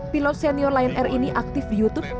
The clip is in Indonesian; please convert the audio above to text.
pilot senior lion air ini aktif di youtube